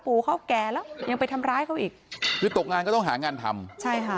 เขาแก่แล้วยังไปทำร้ายเขาอีกคือตกงานก็ต้องหางานทำใช่ค่ะ